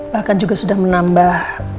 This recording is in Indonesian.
bahkan juga sudah menambah